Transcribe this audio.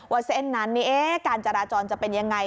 ว่าเส้นนั้นการจราจรจะเป็นอย่างไร